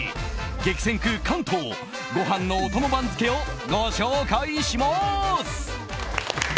激戦区・関東ご飯のお供番付をご紹介します！